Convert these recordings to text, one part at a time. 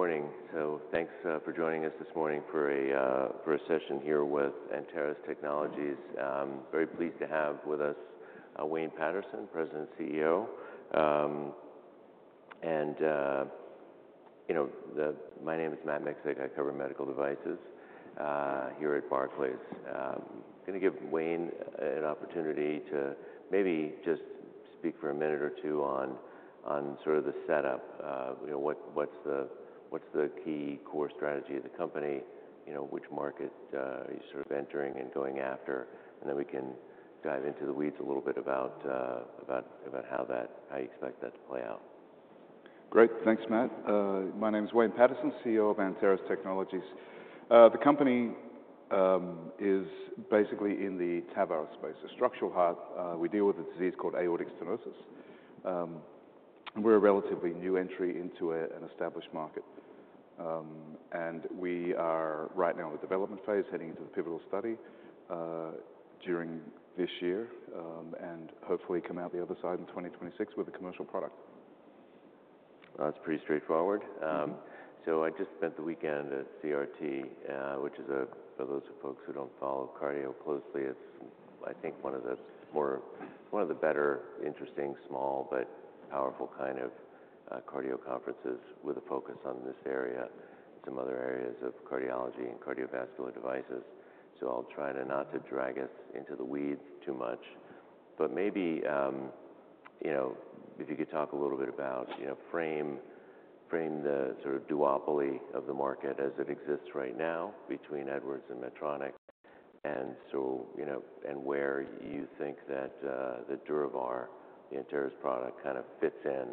Morning. Thanks for joining us this morning for a session here with Anteris Technologies. I'm very pleased to have with us Wayne Paterson, President and CEO. My name is Matt Miksic. I cover medical devices here at Barclays. I'm going to give Wayne an opportunity to maybe just speak for a minute or two on sort of the setup. What's the key core strategy of the company? Which market are you sort of entering and going after? Then we can dive into the weeds a little bit about how you expect that to play out. Great. Thanks, Matt. My name is Wayne Paterson, CEO of Anteris Technologies. The company is basically in the TAVR space, a structural heart. We deal with a disease called aortic stenosis. We're a relatively new entry into an established market. We are right now in the development phase, heading into the pivotal study during this year, and hopefully come out the other side in 2026 with a commercial product. That's pretty straightforward. I just spent the weekend at CRT, which is, for those folks who don't follow cardio closely, I think one of the better, interesting, small, but powerful kind of cardio conferences with a focus on this area and some other areas of cardiology and cardiovascular devices. I'll try not to drag us into the weeds too much. Maybe if you could talk a little bit about, frame the sort of duopoly of the market as it exists right now between Edwards and Medtronic, and where you think that the DurAVR and Anteris product kind of fits in,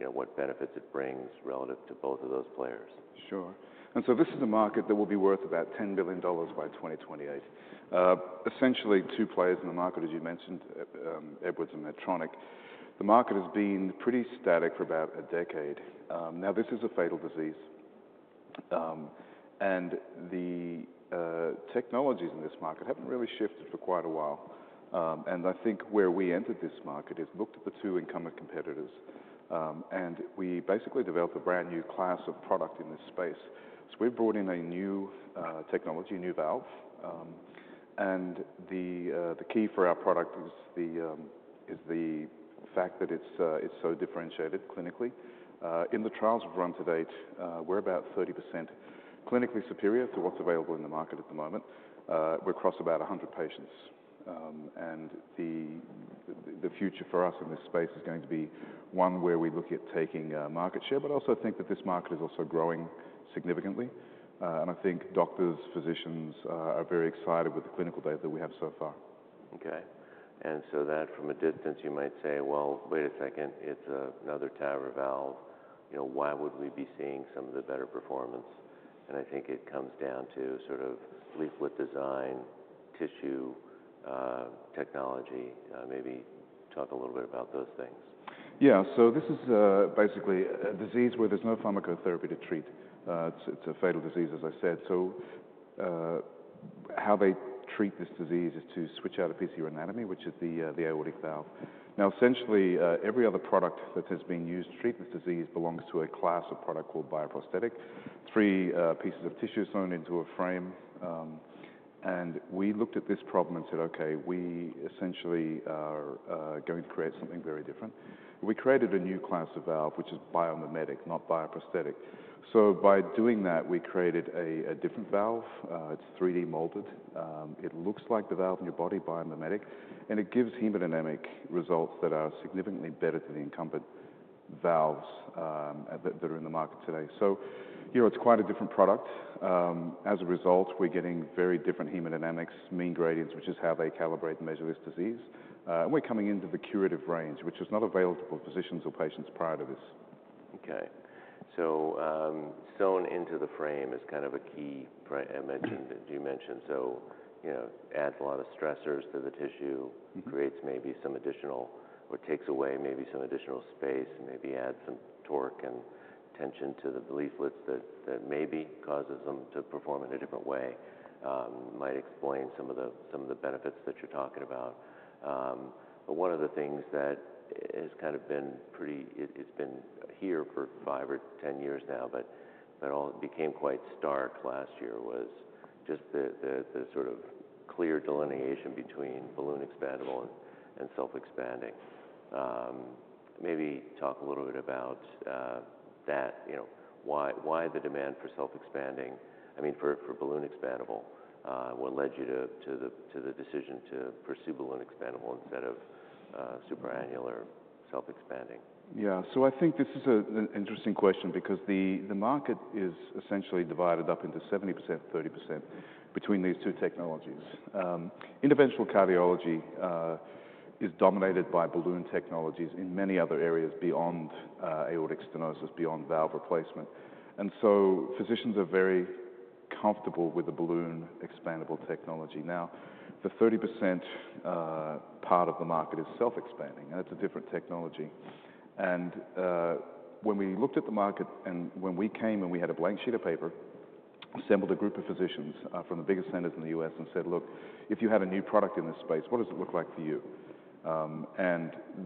and what benefits it brings relative to both of those players. Sure. This is a market that will be worth about $10 billion by 2028. Essentially, two players in the market, as you mentioned, Edwards and Medtronic. The market has been pretty static for about a decade. This is a fatal disease. The technologies in this market have not really shifted for quite a while. I think where we entered this market is looked at the two incumbent competitors. We basically developed a brand new class of product in this space. We have brought in a new technology, a new valve. The key for our product is the fact that it is so differentiated clinically. In the trials we have run to date, we are about 30% clinically superior to what is available in the market at the moment. We are across about 100 patients. The future for us in this space is going to be one where we look at taking market share, but I also think that this market is also growing significantly. I think doctors, physicians are very excited with the clinical data that we have so far. OK. From a distance, you might say, well, wait a second, it's another TAVR valve. Why would we be seeing some of the better performance? I think it comes down to sort of leaflet design, tissue technology. Maybe talk a little bit about those things. Yeah. This is basically a disease where there's no pharmacotherapy to treat. It's a fatal disease, as I said. How they treat this disease is to switch out a piece of your anatomy, which is the aortic valve. Essentially, every other product that has been used to treat this disease belongs to a class of product called bioprosthetic, three pieces of tissue sewn into a frame. We looked at this problem and said, OK, we essentially are going to create something very different. We created a new class of valve, which is biomimetic, not bioprosthetic. By doing that, we created a different valve. It's 3D molded. It looks like the valve in your body, biomimetic. It gives hemodynamic results that are significantly better than the incumbent valves that are in the market today. Here, it's quite a different product. As a result, we're getting very different hemodynamics, mean gradients, which is how they calibrate and measure this disease. We're coming into the curative range, which was not available to physicians or patients prior to this. OK. Sewn into the frame is kind of a key image that you mentioned. Adds a lot of stressors to the tissue, creates maybe some additional or takes away maybe some additional space, maybe adds some torque and tension to the leaflets that maybe causes them to perform in a different way. Might explain some of the benefits that you're talking about. One of the things that has kind of been pretty, it's been here for five or 10 years now, but became quite stark last year, was just the sort of clear delineation between balloon expandable and self-expanding. Maybe talk a little bit about that. Why the demand for self-expanding, I mean, for balloon expandable? What led you to the decision to pursue balloon expandable instead of supra-annular self-expanding? Yeah. I think this is an interesting question because the market is essentially divided up into 70%-30% between these two technologies. Interventional cardiology is dominated by balloon technologies in many other areas beyond aortic stenosis, beyond valve replacement. Physicians are very comfortable with the balloon expandable technology. The 30% part of the market is self-expanding. It is a different technology. When we looked at the market and when we came and we had a blank sheet of paper, assembled a group of physicians from the biggest centers in the US and said, look, if you have a new product in this space, what does it look like for you?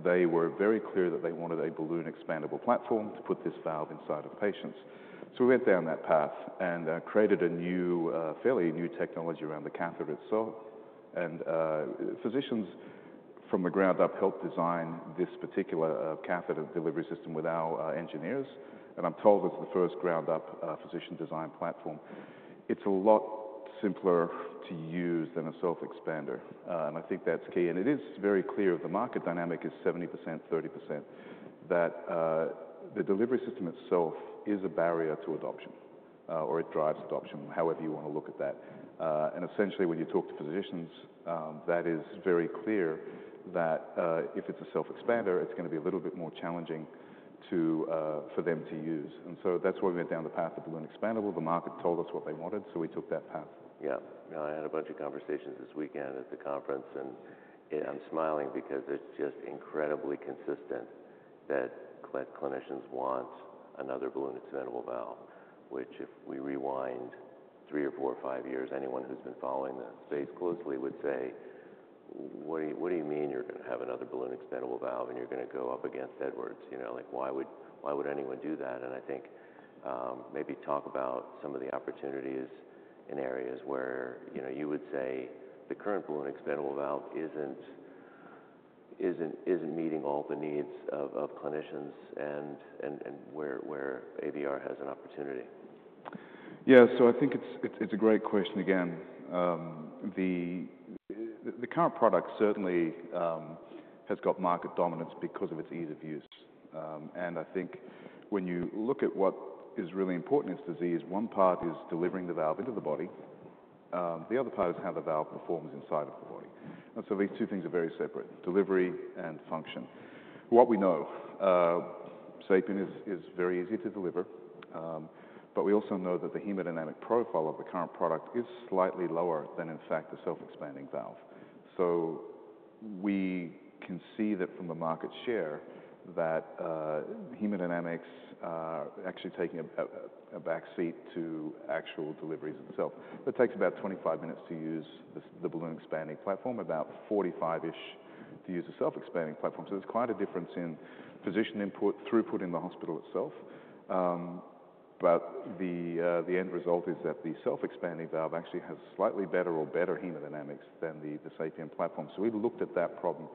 They were very clear that they wanted a balloon expandable platform to put this valve inside of patients. We went down that path and created a fairly new technology around the catheter itself. Physicians from the ground up helped design this particular catheter delivery system with our engineers. I'm told it's the first ground-up physician design platform. It's a lot simpler to use than a self-expander. I think that's key. It is very clear that the market dynamic is 70%-30%, that the delivery system itself is a barrier to adoption, or it drives adoption, however you want to look at that. Essentially, when you talk to physicians, that is very clear that if it's a self-expander, it's going to be a little bit more challenging for them to use. That's why we went down the path of balloon expandable. The market told us what they wanted, so we took that path. Yeah. I had a bunch of conversations this weekend at the conference. I'm smiling because it's just incredibly consistent that clinicians want another balloon expandable valve, which if we rewind three or four or five years, anyone who's been following the space closely would say, what do you mean you're going to have another balloon expandable valve and you're going to go up against Edwards? Why would anyone do that? I think maybe talk about some of the opportunities in areas where you would say the current balloon expandable valve isn't meeting all the needs of clinicians and where AVR has an opportunity. Yeah. I think it's a great question again. The current product certainly has got market dominance because of its ease of use. I think when you look at what is really important in this disease, one part is delivering the valve into the body. The other part is how the valve performs inside of the body. These two things are very separate, delivery and function. What we know, Sapien is very easy to deliver. We also know that the hemodynamic profile of the current product is slightly lower than, in fact, the self-expanding valve. We can see that from the market share that hemodynamics are actually taking a backseat to actual deliveries themselves. It takes about 25 minutes to use the balloon expanding platform, about 45-ish to use the self-expanding platform. There's quite a difference in physician input throughput in the hospital itself. The end result is that the self-expanding valve actually has slightly better or better hemodynamics than the Sapien platform. We have looked at that problem.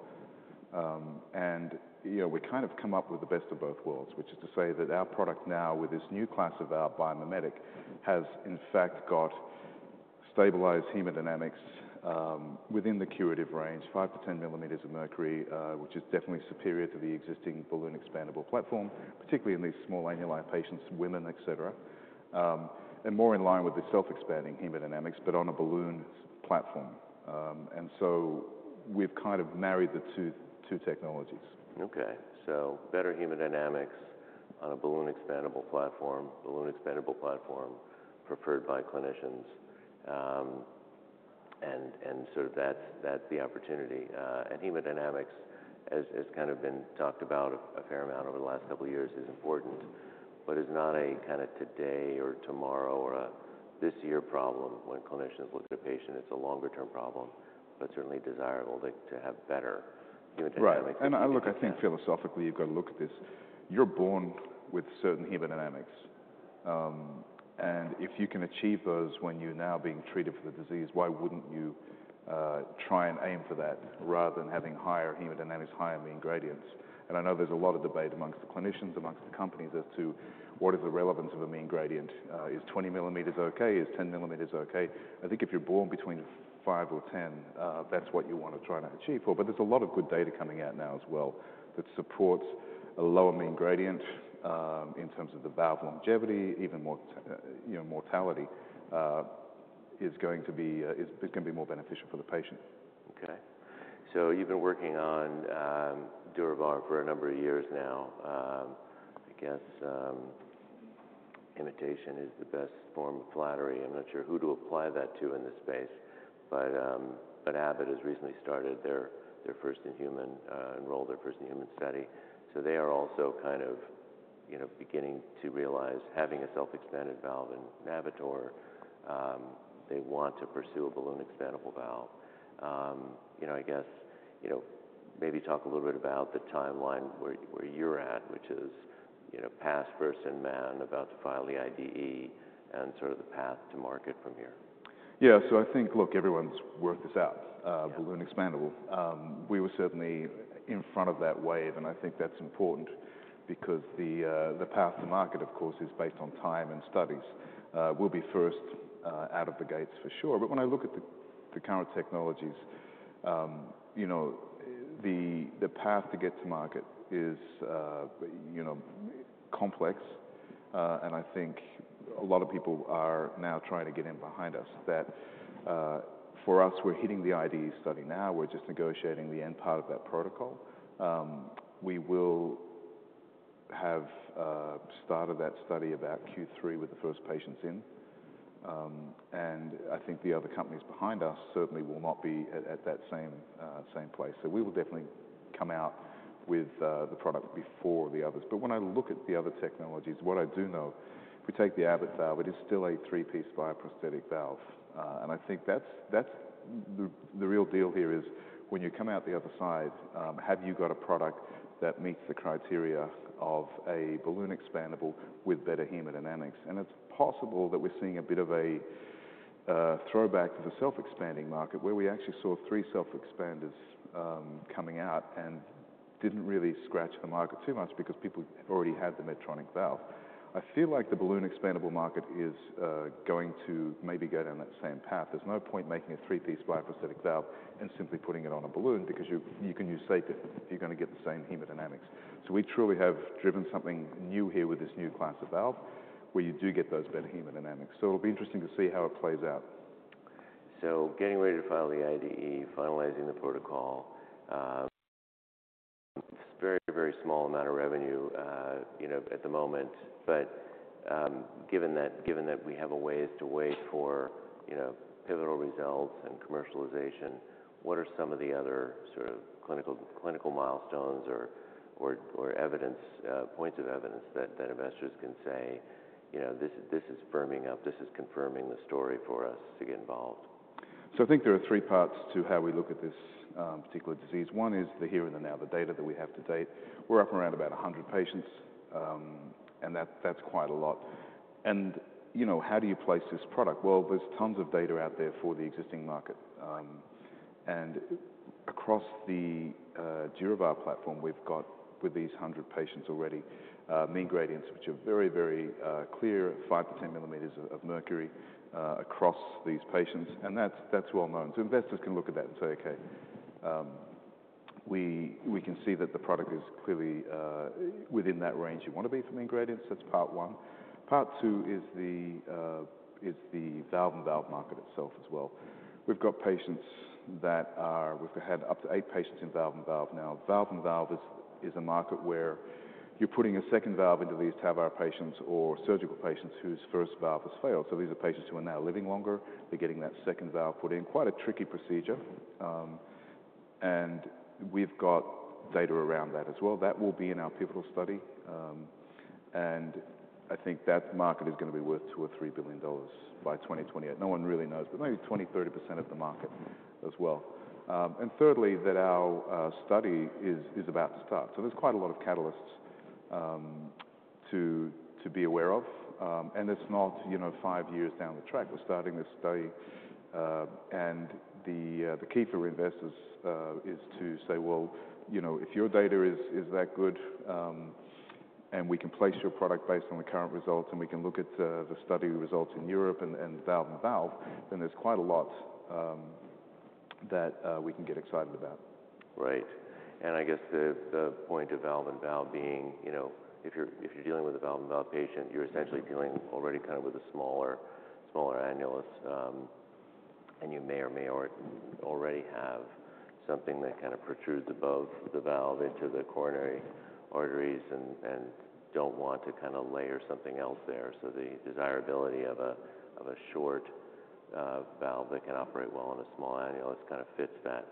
We kind of come up with the best of both worlds, which is to say that our product now with this new class of valve, biomimetic, has in fact got stabilized hemodynamics within the curative range, 5-10 millimeters of mercury, which is definitely superior to the existing balloon expandable platform, particularly in these small annuli patients, women, et cetera, and more in line with the self-expanding hemodynamics, but on a balloon platform. We have kind of married the two technologies. OK. Better hemodynamics on a balloon expandable platform, balloon expandable platform preferred by clinicians. That is the opportunity. Hemodynamics, as kind of been talked about a fair amount over the last couple of years, is important, but is not a kind of today or tomorrow or a this year problem when clinicians look at a patient. It is a longer-term problem, but certainly desirable to have better hemodynamics. Right. Look, I think philosophically you've got to look at this. You're born with certain hemodynamics. If you can achieve those when you're now being treated for the disease, why wouldn't you try and aim for that rather than having higher hemodynamics, higher mean gradients? I know there's a lot of debate amongst the clinicians, amongst the companies as to what is the relevance of a mean gradient. Is 20 millimeters OK? Is 10 millimeters OK? I think if you're born between 5 or 10, that's what you want to try to achieve for. There's a lot of good data coming out now as well that supports a lower mean gradient in terms of the valve longevity. Even more mortality is going to be more beneficial for the patient. OK. So you've been working on DurAVR for a number of years now. I guess imitation is the best form of flattery. I'm not sure who to apply that to in this space. Abbott has recently started their first in human, enrolled their first in human study. They are also kind of beginning to realize having a self-expanding valve in Navitor, they want to pursue a balloon expandable valve. I guess maybe talk a little bit about the timeline where you're at, which is past first in man, about to file the IDE, and sort of the path to market from here. Yeah. I think, look, everyone's worked this out, balloon expandable. We were certainly in front of that wave. I think that's important because the path to market, of course, is based on time and studies. We'll be first out of the gates for sure. When I look at the current technologies, the path to get to market is complex. I think a lot of people are now trying to get in behind us. For us, we're hitting the IDE study now. We're just negotiating the end part of that protocol. We will have started that study about Q3 with the first patients in. I think the other companies behind us certainly will not be at that same place. We will definitely come out with the product before the others. When I look at the other technologies, what I do know, if we take the Abbott valve, it is still a three-piece bioprosthetic valve. I think that's the real deal here is when you come out the other side, have you got a product that meets the criteria of a balloon expandable with better hemodynamics? It's possible that we're seeing a bit of a throwback to the self-expanding market where we actually saw three self-expanders coming out and didn't really scratch the market too much because people already had the Medtronic valve. I feel like the balloon expandable market is going to maybe go down that same path. There's no point making a three-piece bioprosthetic valve and simply putting it on a balloon because you can use Sapien if you're going to get the same hemodynamics. We truly have driven something new here with this new class of valve where you do get those better hemodynamics. It will be interesting to see how it plays out. Getting ready to file the IDE, finalizing the protocol, it's a very, very small amount of revenue at the moment. Given that we have a ways to wait for pivotal results and commercialization, what are some of the other sort of clinical milestones or points of evidence that investors can say, this is firming up, this is confirming the story for us to get involved? I think there are three parts to how we look at this particular disease. One is the here and the now, the data that we have to date. We're up around about 100 patients. That's quite a lot. How do you place this product? There's tons of data out there for the existing market. Across the DurAVR platform, we've got, with these 100 patients already, mean gradients, which are very, very clear, 5-10 millimeters of mercury across these patients. That's well known. Investors can look at that and say, OK, we can see that the product is clearly within that range you want to be for mean gradients. That's part one. Part two is the valve-in-valve market itself as well. We've got patients that are we've had up to eight patients in valve-in-valve now. Valve-in-valve is a market where you're putting a second valve into these TAVR patients or surgical patients whose first valve has failed. These are patients who are now living longer. They're getting that second valve put in, quite a tricky procedure. We've got data around that as well. That will be in our pivotal study. I think that market is going to be worth $2 billion-$3 billion by 2028. No one really knows, but maybe 20%-30% of the market as well. Thirdly, our study is about to start. There's quite a lot of catalysts to be aware of. It's not five years down the track. We're starting this study. The key for investors is to say, well, if your data is that good and we can place your product based on the current results and we can look at the study results in Europe and valve-in-valve, then there's quite a lot that we can get excited about. Right. I guess the point of valve-in-valve being if you're dealing with a valve-in-valve patient, you're essentially dealing already kind of with a smaller annulus. You may or may already have something that kind of protrudes above the valve into the coronary arteries and don't want to kind of layer something else there. The desirability of a short valve that can operate well on a small annulus kind of fits that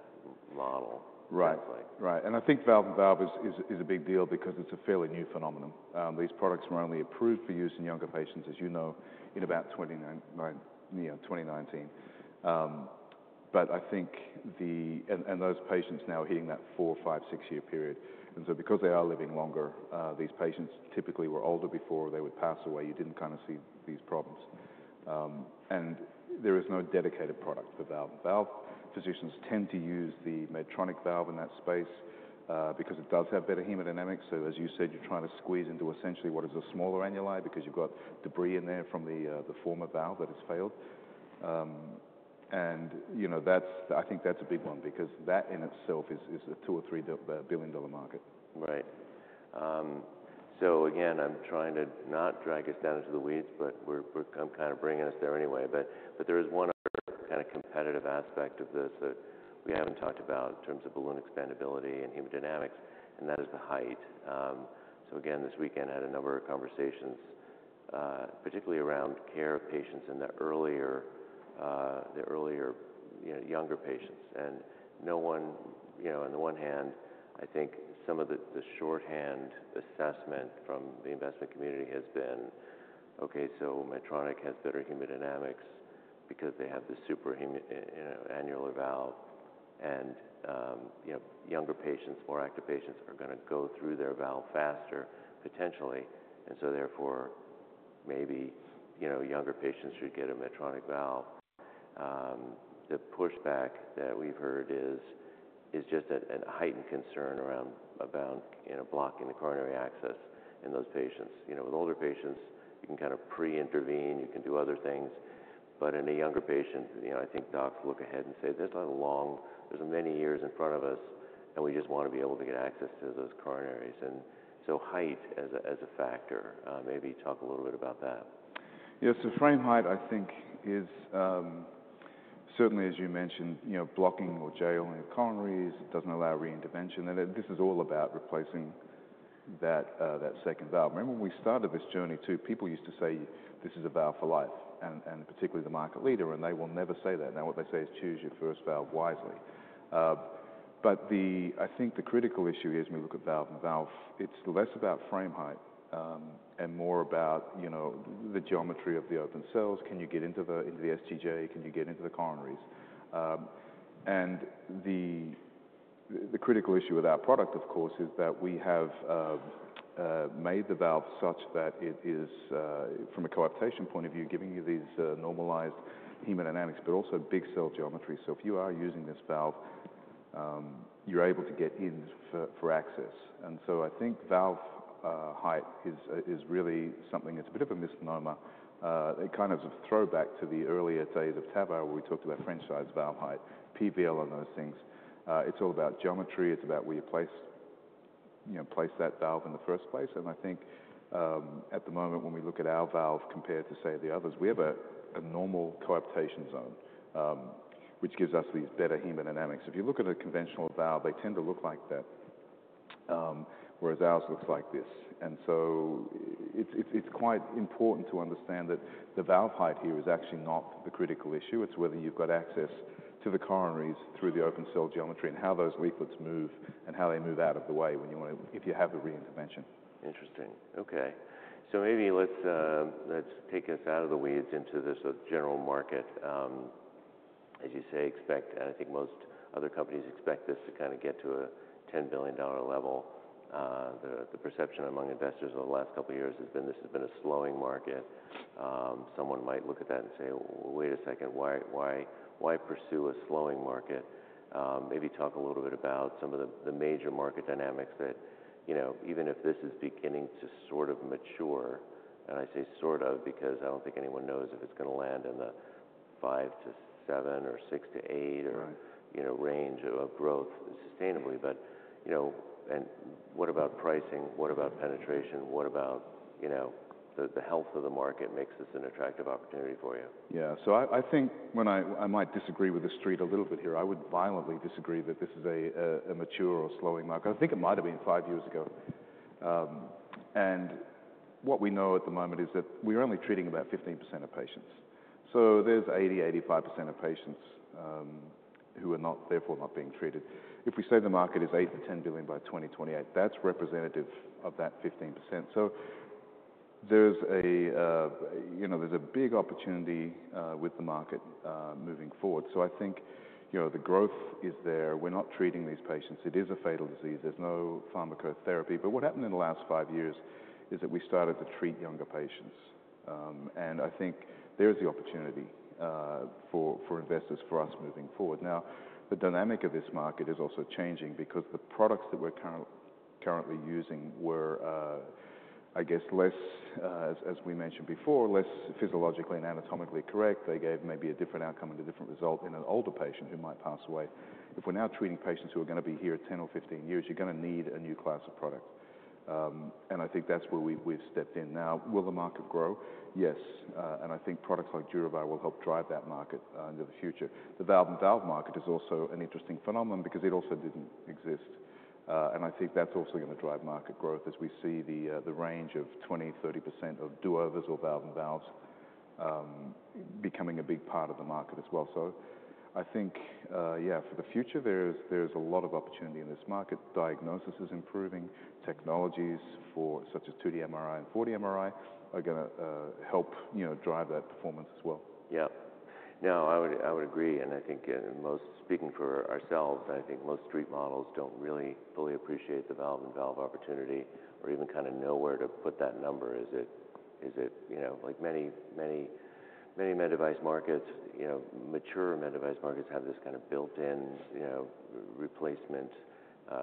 model, it sounds like. Right. Right. I think valve-in-valve is a big deal because it's a fairly new phenomenon. These products were only approved for use in younger patients, as you know, in about 2019. I think those patients now are hitting that four, five, six-year period. Because they are living longer, these patients typically were older before they would pass away. You didn't kind of see these problems. There is no dedicated product for valve-in-valve. Physicians tend to use the Medtronic valve in that space because it does have better hemodynamics. As you said, you're trying to squeeze into essentially what is a smaller annuli because you've got debris in there from the former valve that has failed. I think that's a big one because that in itself is a $2 billion-$3 billion market. Right. Again, I'm trying to not drag us down into the weeds, but I'm kind of bringing us there anyway. There is one other kind of competitive aspect of this that we haven't talked about in terms of balloon expandability and hemodynamics. That is the height. This weekend I had a number of conversations, particularly around care of patients in the earlier younger patients. No one, on the one hand, I think some of the shorthand assessment from the investment community has been, OK, Medtronic has better hemodynamics because they have the supra-annular valve. Younger patients, more active patients are going to go through their valve faster, potentially. Therefore, maybe younger patients should get a Medtronic valve. The pushback that we've heard is just a heightened concern around blocking the coronary access in those patients. With older patients, you can kind of pre-intervene. You can do other things. In a younger patient, I think docs look ahead and say, there's a long, there's many years in front of us. We just want to be able to get access to those coronaries. Height as a factor, maybe talk a little bit about that. Yeah. Frame height, I think, is certainly, as you mentioned, blocking or jailing the coronaries. It does not allow reintervention. This is all about replacing that second valve. Remember, when we started this journey too, people used to say, this is a valve for life, and particularly the market leader. They will never say that. Now what they say is choose your first valve wisely. I think the critical issue is when we look at valve-in-valve, it is less about frame height and more about the geometry of the open cells. Can you get into the STJ? Can you get into the coronaries? The critical issue with our product, of course, is that we have made the valve such that it is, from a coaptation point of view, giving you these normalized hemodynamics, but also big cell geometry. If you are using this valve, you're able to get in for access. I think valve height is really something that's a bit of a misnomer. It kind of is a throwback to the earlier days of TAVR where we talked about French-sized valve height, PVL on those things. It's all about geometry. It's about where you place that valve in the first place. I think at the moment, when we look at our valve compared to, say, the others, we have a normal coaptation zone, which gives us these better hemodynamics. If you look at a conventional valve, they tend to look like that, whereas ours looks like this. It's quite important to understand that the valve height here is actually not the critical issue. It's whether you've got access to the coronaries through the open cell geometry and how those leaflets move and how they move out of the way if you have the reintervention. Interesting. OK. Maybe let's take us out of the weeds into this general market. As you say, expect I think most other companies expect this to kind of get to a $10 billion level. The perception among investors over the last couple of years has been this has been a slowing market. Someone might look at that and say, wait a second, why pursue a slowing market? Maybe talk a little bit about some of the major market dynamics that even if this is beginning to sort of mature, and I say sort of because I don't think anyone knows if it's going to land in the five to seven or six to eight range of growth sustainably. What about pricing? What about penetration? What about the health of the market makes this an attractive opportunity for you? Yeah. I think I might disagree with the street a little bit here. I would violently disagree that this is a mature or slowing market. I think it might have been five years ago. What we know at the moment is that we're only treating about 15% of patients. There's 80%-85% of patients who are therefore not being treated. If we say the market is $8 billion-$10 billion by 2028, that's representative of that 15%. There's a big opportunity with the market moving forward. I think the growth is there. We're not treating these patients. It is a fatal disease. There's no pharmacotherapy. What happened in the last five years is that we started to treat younger patients. I think there is the opportunity for investors, for us moving forward. Now the dynamic of this market is also changing because the products that we're currently using were, I guess, less, as we mentioned before, less physiologically and anatomically correct. They gave maybe a different outcome and a different result in an older patient who might pass away. If we're now treating patients who are going to be here 10 or 15 years, you're going to need a new class of product. I think that's where we've stepped in now. Will the market grow? Yes. I think products like DurAVR will help drive that market into the future. The valve-in-valve market is also an interesting phenomenon because it also didn't exist. I think that's also going to drive market growth as we see the range of 20%-30% of dual-visual valve-in-valves becoming a big part of the market as well. I think, yeah, for the future, there is a lot of opportunity in this market. Diagnosis is improving. Technologies such as 2D MRI and 4D MRI are going to help drive that performance as well. Yeah. No, I would agree. I think most, speaking for ourselves, I think most street models do not really fully appreciate the valve-in-valve opportunity or even kind of know where to put that number. Is it like many med device markets, mature med device markets have this kind of built-in replacement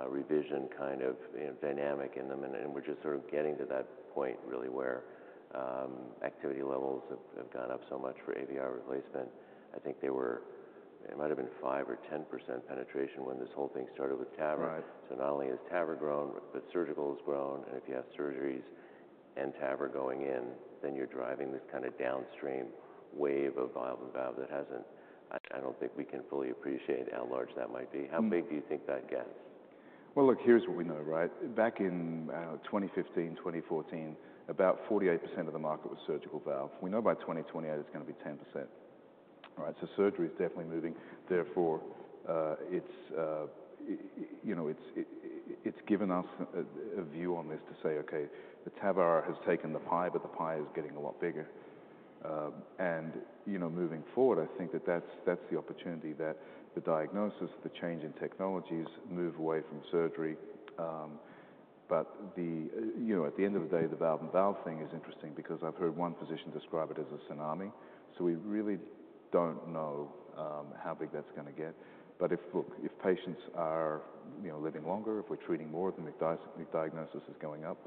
revision kind of dynamic in them. We are just sort of getting to that point really where activity levels have gone up so much for AVR replacement. I think there might have been 5% or 10% penetration when this whole thing started with TAVR. Not only has TAVR grown, but surgical has grown. If you have surgeries and TAVR going in, then you are driving this kind of downstream wave of valve-in-valve that has not. I do not think we can fully appreciate how large that might be. How big do you think that gets? Look, here's what we know, right? Back in 2015, 2014, about 48% of the market was surgical valve. We know by 2028 it's going to be 10%. Surgery is definitely moving. Therefore, it's given us a view on this to say, OK, the TAVR has taken the pie, but the pie is getting a lot bigger. Moving forward, I think that that's the opportunity that the diagnosis, the change in technologies move away from surgery. At the end of the day, the valve-in-valve thing is interesting because I've heard one physician describe it as a tsunami. We really don't know how big that's going to get. If patients are living longer, if we're treating more, the diagnosis is going up,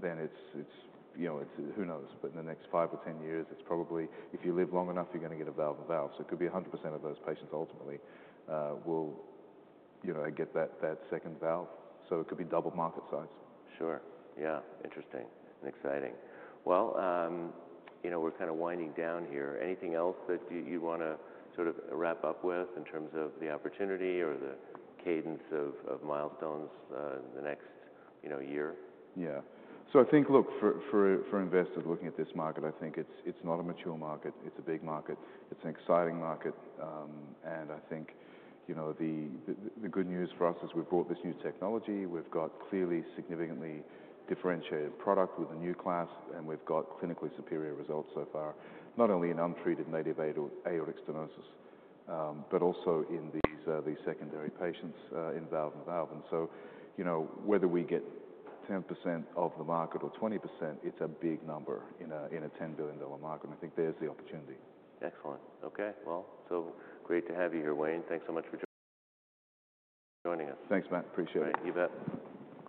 then it's who knows. In the next five or 10 years, it's probably if you live long enough, you're going to get a valve-in-valve. It could be 100% of those patients ultimately will get that second valve. It could be double market size. Sure. Yeah. Interesting and exciting. We are kind of winding down here. Anything else that you'd want to sort of wrap up with in terms of the opportunity or the cadence of milestones in the next year? Yeah. I think, look, for investors looking at this market, I think it's not a mature market. It's a big market. It's an exciting market. I think the good news for us is we've brought this new technology. We've got clearly significantly differentiated product with a new class. We've got clinically superior results so far, not only in untreated native aortic stenosis, but also in these secondary patients in valve-in-valve. Whether we get 10% of the market or 20%, it's a big number in a $10 billion market. I think there's the opportunity. Excellent. OK. So great to have you here, Wayne. Thanks so much for joining us. Thanks, Matt. Appreciate it. Thank you.